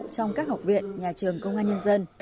trong các học viện nhà trường công an nhân dân